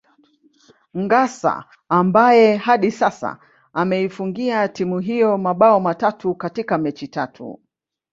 Ngassa ambaye hadi sasa ameifungia timu hiyo mambao matatu katika mechi tatu